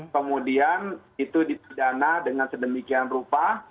kemudian itu dipidana dengan sedemikian rupa